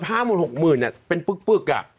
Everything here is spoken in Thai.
เธอ๕๖หมื่นเนี่ยเป็นปุ๊ก